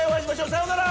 さようなら！